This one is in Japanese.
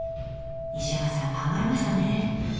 西山さん考えましたね。